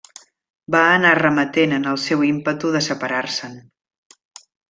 Va anar remetent en el seu ímpetu de separar-se’n.